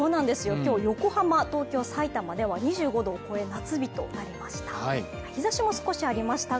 今日、横浜、東京、埼玉では２５度を超え、夏日となりました。